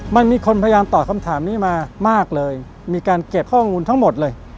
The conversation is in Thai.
มันมีคนพยายามตอบคำถามนี้มามากเลยมีการเก็บข้อมูลทั้งหมดเลย